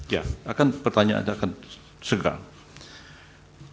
ya akan pertanyaan anda akan segan